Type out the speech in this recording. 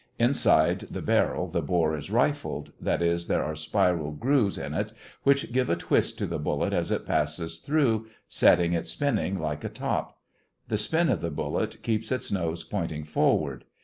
Inside the barrel the bore is rifled; that is, there are spiral grooves in it which give a twist to the bullet as it passes through, setting it spinning like a top. The spin of the bullet keeps its nose pointing forward.